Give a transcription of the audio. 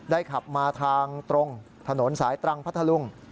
ขับมาทางตรงถนนสายตรังพัทธลุง